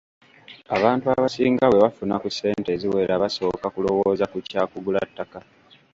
Abantu abasinga bwe bafuna ku ssente eziwera basooka kulowooza ku kya kugula ttaka.